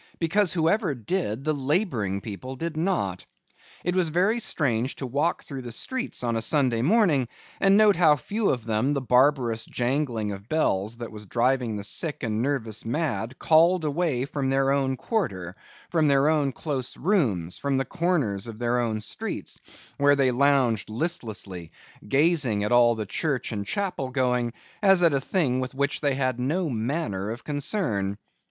Because, whoever did, the labouring people did not. It was very strange to walk through the streets on a Sunday morning, and note how few of them the barbarous jangling of bells that was driving the sick and nervous mad, called away from their own quarter, from their own close rooms, from the corners of their own streets, where they lounged listlessly, gazing at all the church and chapel going, as at a thing with which they had no manner of concern.